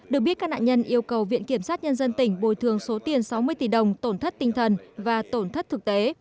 được biết các nạn nhân yêu cầu viện kiểm sát nhân dân tỉnh bồi thường số tiền sáu mươi tỷ đồng tổn thất tinh thần và tổn thất thực tế